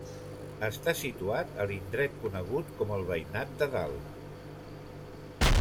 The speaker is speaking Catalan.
Està situat a l'indret conegut com el Veïnat de Dalt.